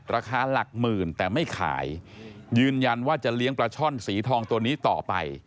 ราคาหลักหมื่นแต่ไม่ขายยืนยันว่าจะเลี้ยงปลาช่อนสีทองตัวนี้ต่อไป